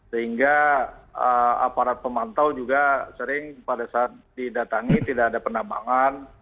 sehingga aparat pemantau juga sering pada saat didatangi tidak ada penambangan